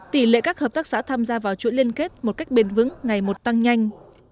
tỷ lệ các hợp tác xã tham gia vào chuỗi liên kết một cách bền vững ngày một tăng nhanh